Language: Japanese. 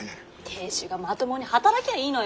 亭主がまともに働きゃいいのよ！